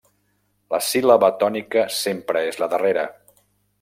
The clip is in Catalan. La síl·laba tònica sempre és la darrera.